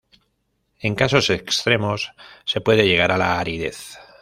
En casos extremos se puede llegar a la aridez.